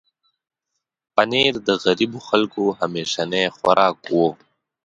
پنېر د غریبو خلکو همیشنی خوراک و.